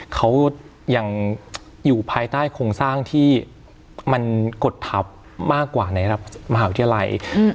เขายังอยู่ภายใต้โครงสร้างที่มันกดทัพมากกว่าในระดับมหาวิทยาลัย